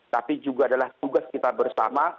tapi juga adalah tugas kita bersama